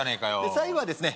最後はですね